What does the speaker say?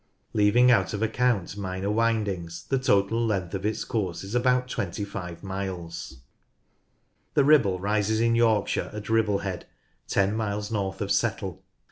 Leaving out of account minor windings the total length of its course is about 25 miles. 56 NORTH LANCASHIRE The Ribble rises in Yorkshire at Ribblehead, ten miles north of Settle.